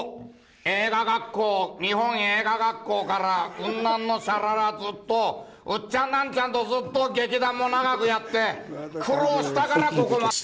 映画学校、日本映画学校からウンナンのしゃららずっと、ウッチャンナンチャンとずっと劇団も長くやって、苦労したからここが。